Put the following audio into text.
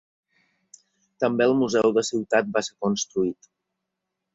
També el museu de la ciutat va ser construït.